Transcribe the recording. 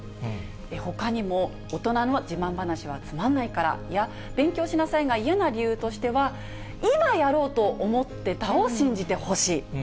ほかにも大人の自慢話はつまんないからや、勉強しなさいが嫌な理由としては、今やろうと思ってたを信じてほしい。